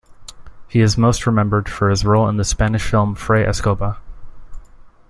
He is most remembered for his role in the Spanish film "Fray Escoba".